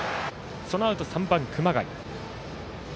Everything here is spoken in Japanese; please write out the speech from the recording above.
そのあと、３番、熊谷。